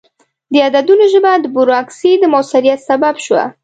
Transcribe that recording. د عددونو ژبه د بروکراسي د موثریت سبب شوه.